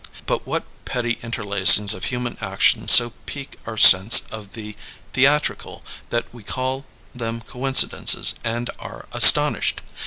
But what petty interlacings of human action so pique our sense of the theatrical that we call them coincidences and are astonished!